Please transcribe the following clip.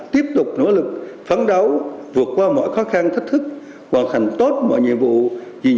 tiếp tục nỗ lực phán đấu vượt qua mọi khó khăn thách thức hoàn thành tốt mọi nhiệm vụ giữ hòa bình